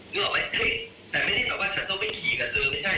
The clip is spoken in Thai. นึกออกไหมแต่ไม่ได้แบบว่าฉันต้องไปขี่กับเธอไม่ใช่